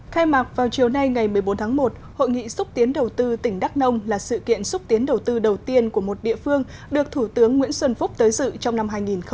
khai mạc vào chiều nay ngày một mươi bốn tháng một hội nghị xúc tiến đầu tư tỉnh đắk nông là sự kiện xúc tiến đầu tư đầu tiên của một địa phương được thủ tướng nguyễn xuân phúc tới dự trong năm hai nghìn một mươi chín